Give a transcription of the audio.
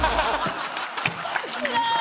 つらーい！